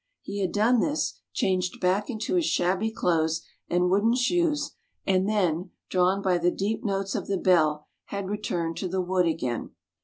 He had done this, changed back into his shabby clothes and wooden shoes, and then, drawn by the deep notes of the bell, had returned to the wood again.